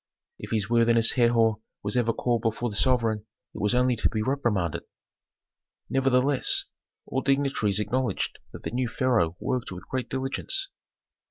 If his worthiness Herhor was ever called before the sovereign it was only to be reprimanded. Nevertheless, all dignitaries acknowledged that the new pharaoh worked with great diligence.